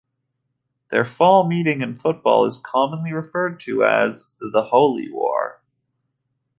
Their fall meeting in football is commonly referred to as "The Holy War".